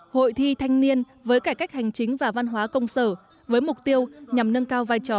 hội thi thanh niên với cải cách hành chính và văn hóa công sở với mục tiêu nhằm nâng cao vai trò